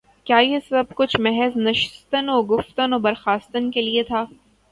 کیا یہ سب کچھ محض نشستن و گفتن و برخاستن کے لیے تھا؟